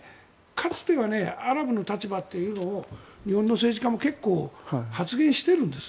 かつてはアラブの立場というのを日本の政治家も結構発言しているんです。